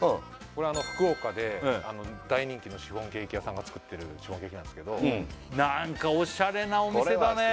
これ福岡で大人気のシフォンケーキ屋さんが作ってるシフォンケーキなんすけどなんかおしゃれなお店だね